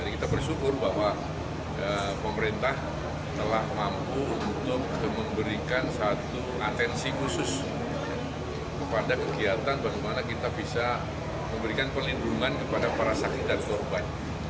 kita bersyukur bahwa pemerintah telah mampu untuk memberikan satu atensi khusus kepada kegiatan bagaimana kita bisa memberikan perlindungan kepada para saksi dan korban